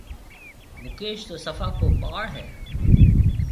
مڪيش تو سڦا ڪو ٻاݪ هيَ۔